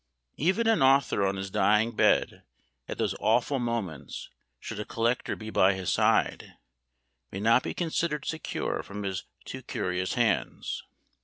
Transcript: Even an author on his dying bed, at those awful moments, should a collector be by his side, may not be considered secure from his too curious hands.